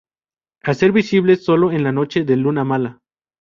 Hacer visibles sólo en la noche de luna mala.